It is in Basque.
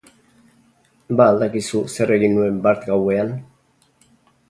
Ba al dakizu zer egin nuen bart gauean?